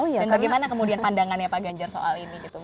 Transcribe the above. dan bagaimana kemudian pandangannya pak ganjar soal ini